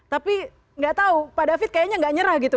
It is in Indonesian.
tapi nggak tahu pak david kayaknya nggak nyerah gitu